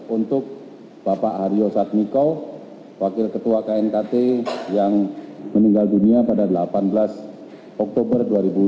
untuk bapak hario satniko wakil ketua knkt yang meninggal dunia pada delapan belas oktober dua ribu dua puluh dua